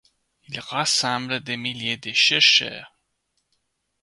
Il rassemble des milliers de chercheurs.